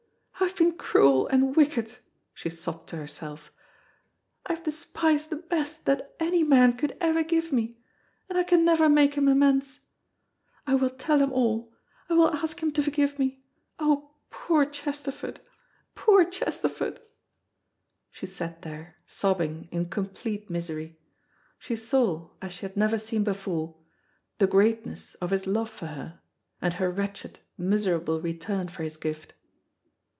"I have been cruel and wicked," she sobbed to herself. "I have despised the best that any man could ever give me, and I can never make him amends. I will tell him all. I will ask him to forgive me. Oh, poor Chesterford, poor Chesterford!" She sat there sobbing in complete misery. She saw, as she had never seen before, the greatness of his love for her, and her wretched, miserable return for his gift.